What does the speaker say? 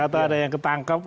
atau ada yang ketangkep